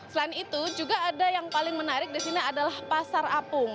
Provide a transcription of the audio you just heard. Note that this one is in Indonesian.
dan juga ada yang paling menarik di sini adalah pasar apung